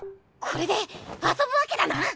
これで遊ぶわけだな。